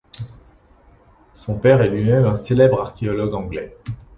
Son père est lui-même un célèbre archéologue anglais.